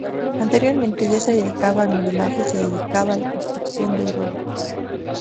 Anteriormente, ya se dedicaba al modelaje y se dedicaba a la instrucción de aeróbicos.